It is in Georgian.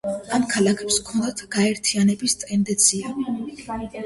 ამ ქალაქებს ჰქონდათ გაერთიანების ტენდენცია.